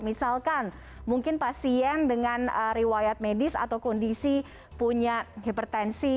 misalkan mungkin pasien dengan riwayat medis atau kondisi punya hipertensi